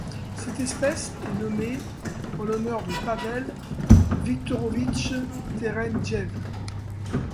Cette espèce est nommée en l'honneur de Pavel Victorovich Terentjev.